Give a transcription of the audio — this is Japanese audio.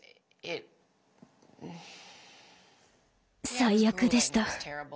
最悪でした。